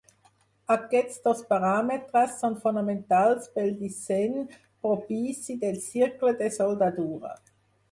Aquests dos paràmetres són fonamentals pel disseny propici del cicle de soldadura.